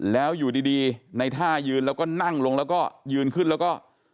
แล้วอยู่ดีในท่ายืนแล้วก็นั่งลงแล้วก็ยืนขึ้นแล้วก็